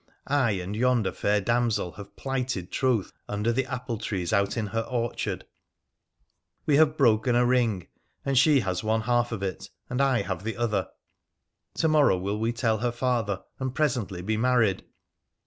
I and yonder fair damsel have plighted troth under the apple trees out in her orchard ! We have broken a ring, and she has one half of it and I have the other. To morrow will we tell her father, and presently be married.